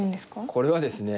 これはですね